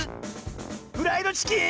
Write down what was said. フライドチキン⁉